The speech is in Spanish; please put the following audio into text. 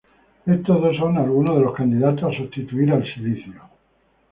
Estos dos son algunos de los candidatos a sustituir al silicio.